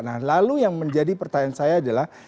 nah lalu yang menjadi pertanyaan saya adalah